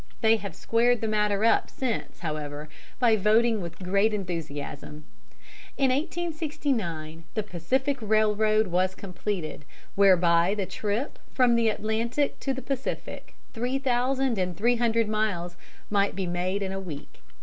They have squared the matter up since, however, by voting with great enthusiasm. In 1869 the Pacific Railroad was completed, whereby the trip from the Atlantic to the Pacific three thousand and three hundred miles might be made in a week.